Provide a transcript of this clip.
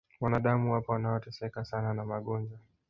wanadamu wapo wanaoteseka sana na magonjwa